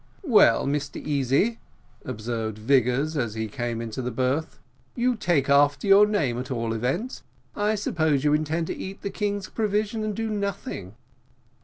"Well, Mr Easy," observed Vigors, as he came into the berth, "you take after your name, at all events; I suppose you intend to eat the king's provision, and do nothing."